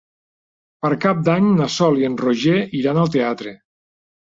Per Cap d'Any na Sol i en Roger iran al teatre.